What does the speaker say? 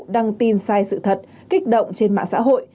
đăng tin sai sự thật kích động trên mạng xã hội